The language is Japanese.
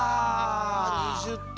２０点。